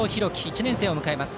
１年生を迎えます。